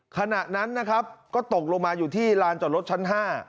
ขณะนั้นนะครับก็ตกลงมาอยู่ที่ลานจอดรถชั้น๕